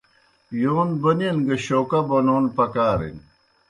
یون بونین گہ شوکا بونون پکارِن۔